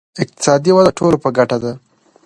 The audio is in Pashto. اقتصادي وده د ټولو په ګټه ده.